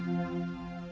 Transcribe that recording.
aku sudah berjalan